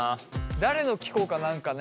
誰の聞こうか何かね。